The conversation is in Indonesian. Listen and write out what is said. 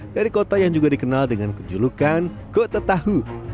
dari kota yang juga dikenal dengan kejulukan kota tahu